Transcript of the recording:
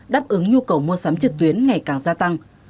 đáp ứng nhu cầu mua sắm trực tuyến ngày càng gia tăng